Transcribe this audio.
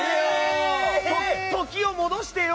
時を戻してよ！